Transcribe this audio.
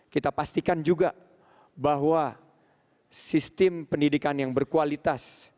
kita pastikan juga bahwa sistem pendidikan yang berkualitas